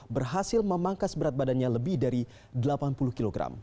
berhasil memangkas berat badannya lebih dari delapan puluh kg